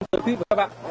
tới quý vị và các bạn